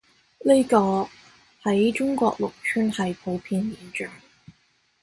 呢個，喺中國農村係普遍現象